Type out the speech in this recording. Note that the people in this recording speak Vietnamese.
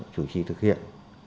chủ trì thực hiện